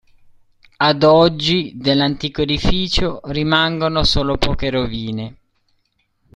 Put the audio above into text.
Ad oggi dell'antico edificio rimangono solo poche rovine.